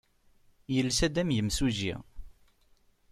Yelsa-d am yimsujji.